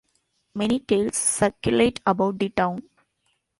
Many tales circulate about the town.